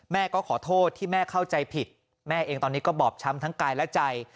แม่ก็ขอโทษที่แม่เข้าใจผิดแม่เองตอนนี้ก็บอบช้ำทั้งกายและใจ